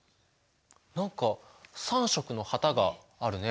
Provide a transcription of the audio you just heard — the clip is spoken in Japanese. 何か３色の旗があるね。